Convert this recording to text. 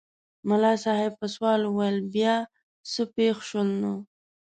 ملا صاحب په سوال وویل بیا څه پېښ شول نو؟